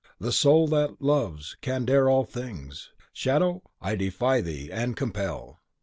The soul that loves can dare all things. Shadow, I defy thee, and compel!"